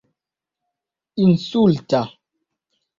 insulta